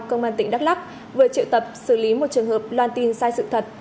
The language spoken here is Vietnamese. công an tỉnh đắk lắc vừa triệu tập xử lý một trường hợp loan tin sai sự thật